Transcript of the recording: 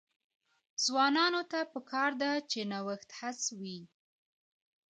ځوانانو ته پکار ده چې، نوښت هڅوي.